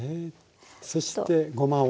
そしてごまを。